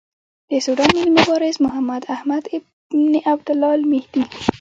د سوډان ملي مبارز محمداحمد ابن عبدالله المهدي.